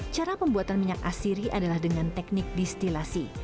cara pembuatan minyak asiri adalah dengan teknik distilasi